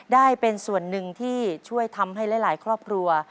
ได้เป็นส่วนหนึ่งที่ช่วยทำให้หลายครอบครัว